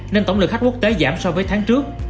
nên tổng lượng khách quốc tế giảm so với tháng trước